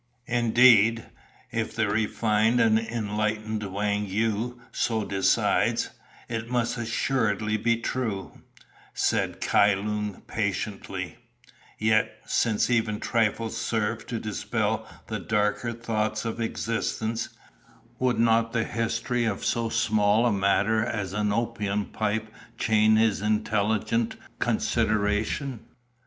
"Indeed, if the refined and enlightened Wang Yu so decides, it must assuredly be true," said Kai Lung patiently; "yet (since even trifles serve to dispel the darker thoughts of existence) would not the history of so small a matter as an opium pipe chain his intelligent consideration?